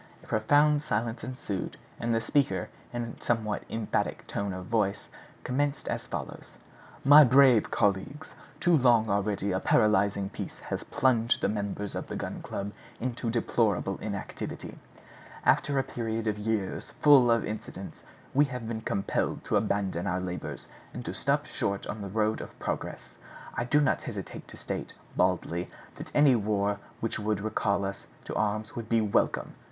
A profound silence ensued, and the speaker, in a somewhat emphatic tone of voice, commenced as follows: "My brave, colleagues, too long already a paralyzing peace has plunged the members of the Gun Club in deplorable inactivity. After a period of years full of incidents we have been compelled to abandon our labors, and to stop short on the road of progress. I do not hesitate to state, baldly, that any war which would recall us to arms would be welcome!"